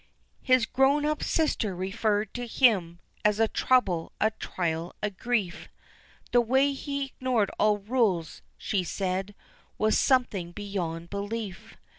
His grown up sister referred to him As a trouble, a trial, a grief, "The way he ignored all rules," she said, "Was something beyond belief."